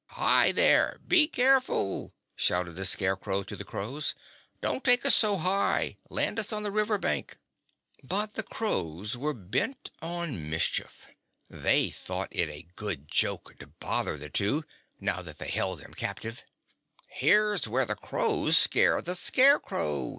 "Hi, there be careful!" shouted the Scarecrow to the crows. "Don't take us so high. Land us on the river bank." But the crows were bent on mischief. They thought it a good joke to bother the two, now that they held them captive. "Here's where the crows scare the Scarecrow!"